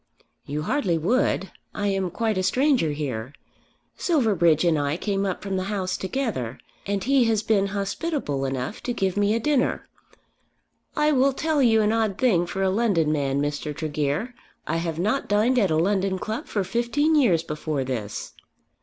"You hardly would. I am quite a stranger here. Silverbridge and I came up from the House together, and he has been hospitable enough to give me a dinner. I will tell you an odd thing for a London man, Mr. Tregear. I have not dined at a London club for fifteen years before this."